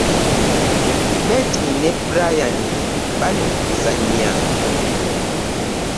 Betty ne Brian bali mu kuzannya .